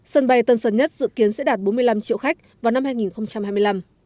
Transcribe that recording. sân bay tân sơn nhất dự kiến sẽ đạt bốn mươi năm triệu khách vào năm hai nghìn hai mươi năm